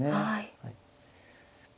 はい。